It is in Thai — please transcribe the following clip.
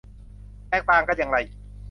แตกต่างกันอย่างไร